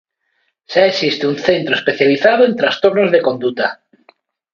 Xa existe un centro especializado en trastornos de conduta.